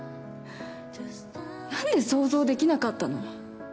何で想像できなかったの？